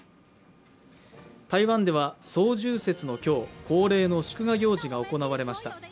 台湾では双十節の今日、恒例の祝賀行事が行われました。